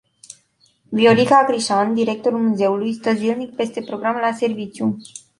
Viorica Crișan, directorul muzeului, stă zilnic peste program la serviciu.